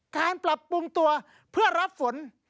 การปรับปรุงตัวเพื่อรับฝน